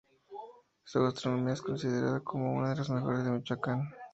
Su gastronomía es considerada como una de las mejores de Michoacán.